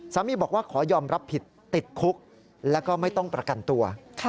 บอกว่าขอยอมรับผิดติดคุกแล้วก็ไม่ต้องประกันตัว